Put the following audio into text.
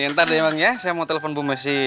ntar deh emang ya saya mau telepon bu messi